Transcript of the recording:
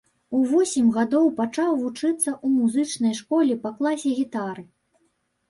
У восем гадоў пачаў вучыцца ў музычнай школе па класе гітары.